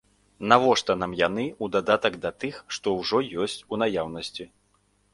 Навошта нам яны ў дадатак да тых, што ўжо ёсць у наяўнасці?